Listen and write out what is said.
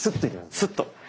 スッと！